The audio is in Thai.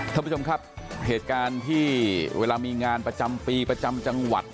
ท่านผู้ชมครับเหตุการณ์ที่เวลามีงานประจำปีประจำจังหวัด